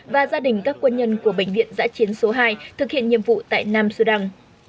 và gia đình các quân nhân của bệnh viện giã chiến số hai thực hiện nhiệm vụ tại nam sudan